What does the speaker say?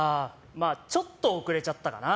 まあちょっと遅れちゃったかな。